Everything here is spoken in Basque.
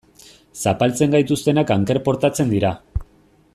Zapaltzen gaituztenak anker portatzen dira.